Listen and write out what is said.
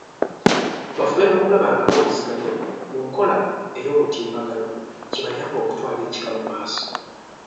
Bafube n'okulaba nga bawuliziganya mu nkola ey’omutimbagano kibayambe okutwala ekika mu maaso.